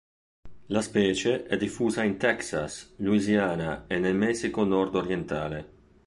La specie è diffusa in Texas, Louisiana e nel Messico nord-orientale.